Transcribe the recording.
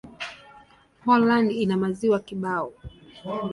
Poland ina maziwa kibao.